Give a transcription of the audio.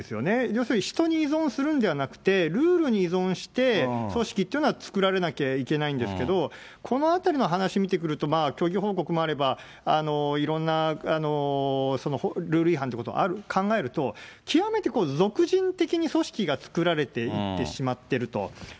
要するに人に依存するんじゃなくて、ルールに依存して組織っていうのは作られなきゃいけないんですけど、このあたりの話を見てくると、虚偽報告もあれば、いろんなルール違反ということも考えると、極めて俗人的に組織が作られてしまっていると。